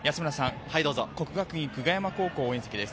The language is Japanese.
國學院久我山高校応援席です。